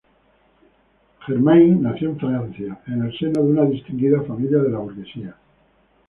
Germain nació en Francia en el seno de una distinguida familia de la burguesía.